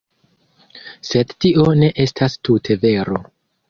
Sed tio ne estas tute vero.